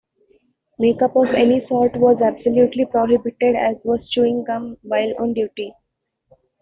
Makeup of any sort was absolutely prohibited, as was chewing gum while on duty.